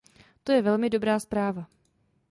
To je velmi dobrá zpráva.